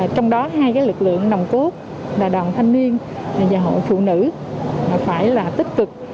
trong đó hai lực lượng nồng cốt là đoàn thanh niên và hội phụ nữ phải là tích cực